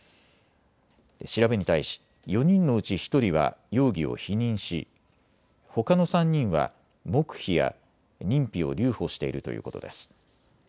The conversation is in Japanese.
調べに対し４人のうち１人は容疑を否認し、ほかの３人は黙秘や認否を留保しているということです。